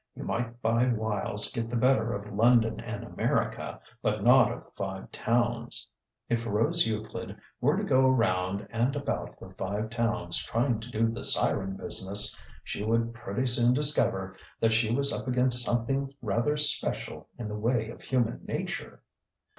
You might by wiles get the better of London and America, but not of the Five Towns. If Rose Euclid were to go around and about the Five Towns trying to do the siren business, she would pretty soon discover that she was up against something rather special in the way of human nature!